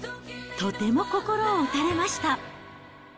とても心を打たれました。